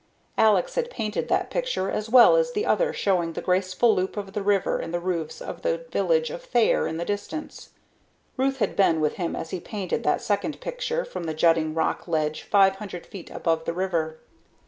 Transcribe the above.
Alex had painted that picture as well as the other showing the graceful loop of the river and the roofs of the village of Thayer in the distance. Ruth had been with him as he painted that second picture from the jutting rock ledge five hundred feet above the river.